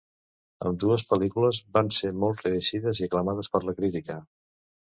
Ambdues pel·lícules van ser molt reeixides i aclamades per la crítica.